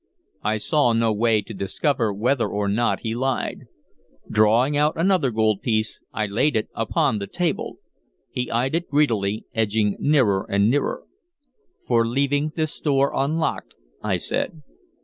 I saw no way to discover whether or not he lied. Drawing out another gold piece, I laid it upon the table. He eyed it greedily, edging nearer and nearer. "For leaving this door unlocked," I said.